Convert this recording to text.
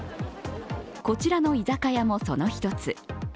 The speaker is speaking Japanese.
こちらの居酒屋もその１つ。